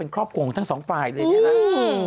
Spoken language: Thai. เป็นครอบครงทั้งสองฝ่ายตรงจันนี้นะ